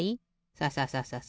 サササササ。